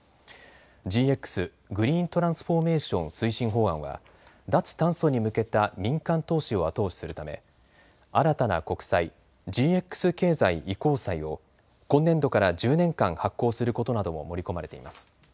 ＧＸ・グリーントランスフォーメーション推進法案は脱炭素に向けた民間投資を後押しするため新たな国債、ＧＸ経済移行債を今年度から１０年間、発行することなども盛り込まれています。